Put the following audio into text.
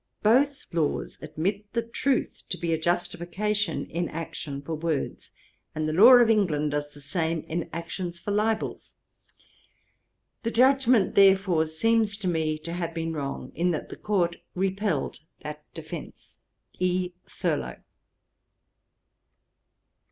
Both laws admit the truth to be a justification in action for words; and the law of England does the same in actions for libels. The judgement, therefore, seems to me to have been wrong, in that the Court repelled that defence. 'E. THURLOW.'